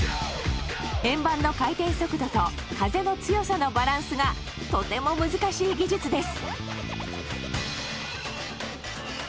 円盤の回転速度と風の強さのバランスがとても難しい技術です。